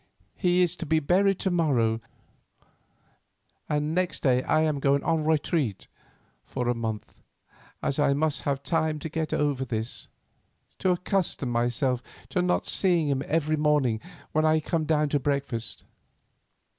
He is to be buried to morrow, and next day I am going 'en retraite' for a month, as I must have time to get over this—to accustom myself to not seeing him every morning when I come down to breakfast.